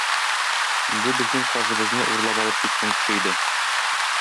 Бу безнең казыбызны урлап алып киткән кеше иде.